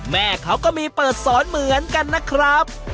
แม่เขาก็มีเปิดสอนเหมือนกันนะครับ